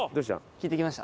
聞いてきました。